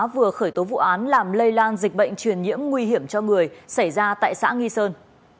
vừa khởi tố vụ án làm lây lan dịch bệnh truyền nhiễm nguy hiểm cho người xảy ra tại xã nghi sơn